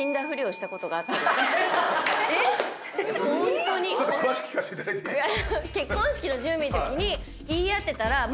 ホントにちょっと詳しく聞かせていただいていいですか？